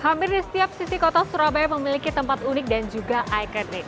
hampir di setiap sisi kota surabaya memiliki tempat unik dan juga ikonik